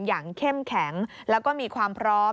อย่างเข้มแข็งและมีความพร้อม